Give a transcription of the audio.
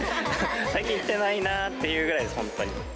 最近行ってないなっていうぐらいです、本当に。